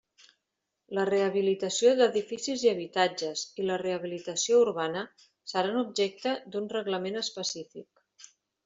La rehabilitació d'edificis i habitatges i la rehabilitació urbana seran objecte d'un reglament específic.